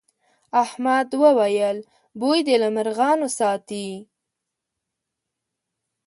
احمد وويل: بوی دې له مرغانو ساتي.